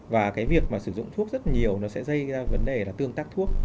và cái việc mà sử dụng thuốc rất nhiều nó sẽ gây ra vấn đề là tương tác thuốc